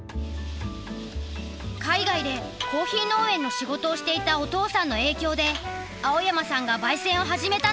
海外でコーヒー農園の仕事をしていたお父さんの影響で青山さんが焙煎を始めたのは小学生の時。